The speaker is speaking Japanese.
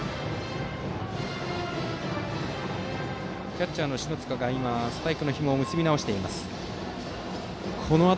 キャッチャーの篠塚が今スパイクのひもを結び直しました。